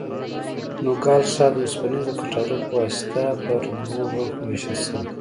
نوګالس ښار د اوسپنیزو کټارو په واسطه پر دوو برخو وېشل شوی.